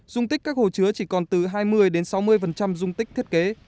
dung tích các hồ chứa chỉ còn từ hai mươi sáu mươi dung tích thiết kế